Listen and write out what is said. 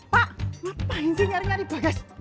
pak ngapain sih nyari nyari bekas